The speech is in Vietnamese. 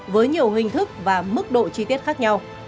với nhiều hình thức và mức độ chi tiết khác nhau